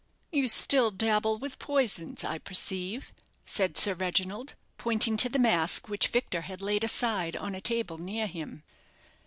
"You still dabble with poisons, I perceive," said Sir Reginald, pointing to the mask which Victor had laid aside on a table near him.